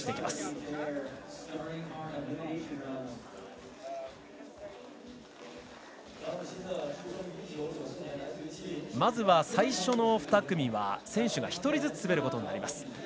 まずは最初の２組が選手が１人ずつ滑ります。